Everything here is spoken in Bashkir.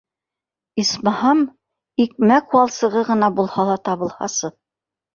Исмаһам, икмәк валсығы ғына булһа ла табылһасы...